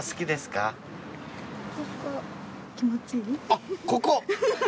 あっここ？